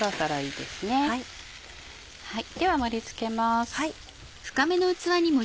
では盛り付けます。